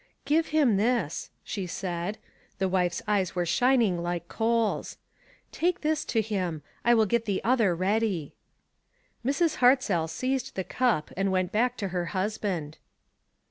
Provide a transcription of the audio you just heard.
"Give him this," she said. The wife's eyes were shining like coals. "Take this to him ; I will get the other ready." Mrs. Hartzell seized the cup, and went back to her husband.